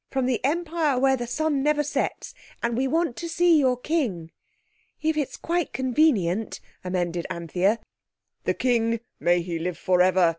"From the Empire where the sun never sets, and we want to see your King." "If it's quite convenient," amended Anthea. "The King (may he live for ever!)